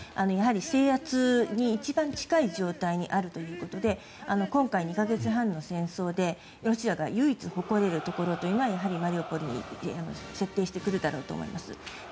制圧に一番近い状態にあるということで今回、２か月半の戦争でロシアが唯一誇れるところといえばマリウポリに設定してくるだろうと思います。